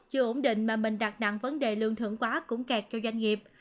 chưa ổn định mà mình đặt nặng vấn đề lương thưởng quá cũng kẹt cho doanh nghiệp